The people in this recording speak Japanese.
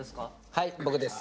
はい僕です。